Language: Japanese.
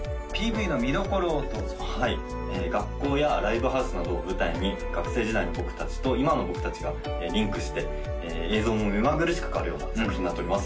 ＰＶの見どころをどうぞはい学校やライブハウスなどを舞台に学生時代の僕達と今の僕達がリンクして映像も目まぐるしく変わるような作品になっております